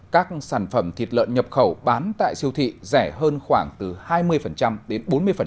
các sản phẩm thịt lợn nhập khẩu bán tại siêu thị rẻ hơn khoảng từ hai mươi đến bốn mươi